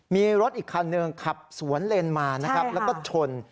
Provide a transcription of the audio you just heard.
มีรถอีกคันหนึ่งขับสวนเลนมานะครับแล้วก็ชน